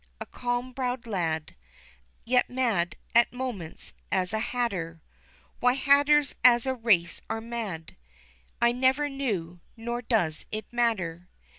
A calm brow'd lad, Yet mad, at moments, as a hatter: Why hatters as a race are mad I never knew, nor does it matter.